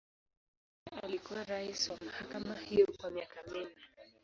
Yeye alikuwa rais wa mahakama hiyo kwa miaka minne.